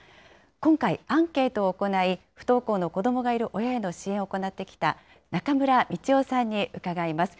今回、アンケートを行い、不登校の子どもがいる親への支援を行ってきた中村みちよさんに伺います。